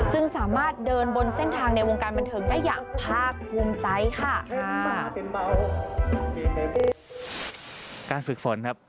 สามารถเดินบนเส้นทางในวงการบันเทิงได้อย่างภาคภูมิใจค่ะ